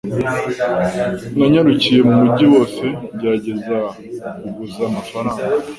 Nanyarukiye mu mujyi wose ngerageza kuguza amafaranga.